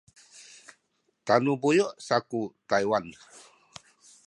tanu buyu’ saku Taywan